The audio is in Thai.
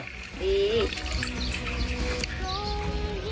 ดี